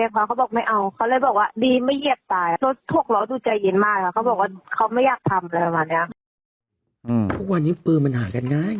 ทุกวันนี้ปืนมันหากันง่าย